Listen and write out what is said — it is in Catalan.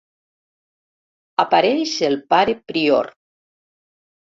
Apareix el pare prior.